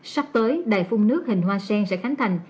sắp tới đài phun nước hình hoa sen sẽ khánh thành